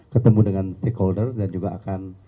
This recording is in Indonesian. ketemu dengan stakeholder dan juga akan